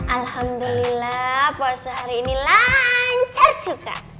alhamdulillah puasa hari ini lancar juga